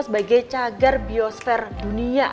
sebagai cagar biosfer dunia